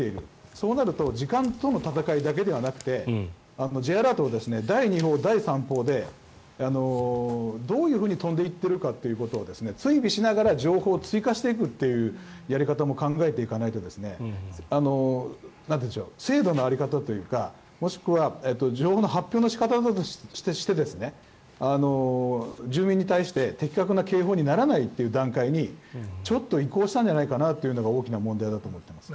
そうなると時間との戦いだけではなくてＪアラートを第２報、第３報でどういうふうに飛んでいっているかっていうことを追尾しながら情報を追加していくというやり方も考えていかないと制度の在り方というかもしくは情報の発表の仕方として住民に対して的確な警報にならないという段階にちょっと移行したんじゃないかなというのが大きな問題だと思っています。